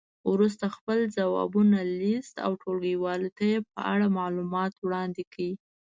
وروسته خپل ځوابونه لیست او ټولګیوالو ته یې په اړه معلومات وړاندې کړئ.